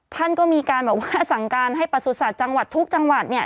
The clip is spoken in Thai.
ท่านก็มีการแบบว่าสั่งการให้ประสุทธิ์จังหวัดทุกจังหวัดเนี่ย